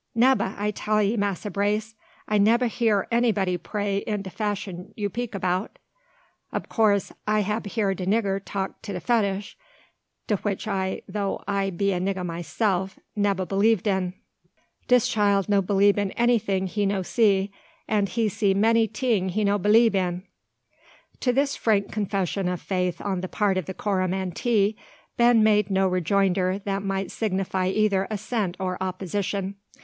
"Nebba! I tell ye, Massa Brace, a nebba heer anybody pray in de fashun you 'peak 'bout. Ob coas, I hab heer de nigga talk to da Fetish, de which I, tho' I be a nigga maseff, nebba belieb'd in. Dis child no belieb in anyting he no see, an' he see many ting he no belieb in." To this frank confession of faith on the part of the Coromantee Ben made no rejoinder that might signify either assent or opposition.